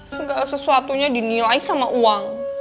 segala sesuatunya dinilai sama uang